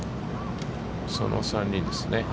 その３人ですね。